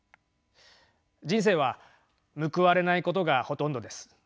人生は報われないことがほとんどです。